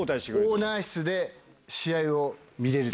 オーナー室で試合を見れる。